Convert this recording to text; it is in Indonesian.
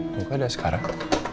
buka dah sekarang